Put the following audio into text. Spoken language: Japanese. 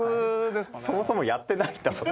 そもそもやってないんだもん。